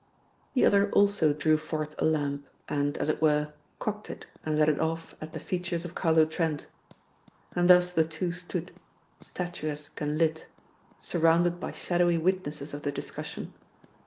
The other also drew forth a lamp and, as it were, cocked it and let it off at the features of Carlo Trent. And thus the two stood, statuesque and lit, surrounded by shadowy witnesses of the discussion.